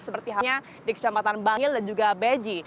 seperti halnya di kecamatan bangil dan juga beji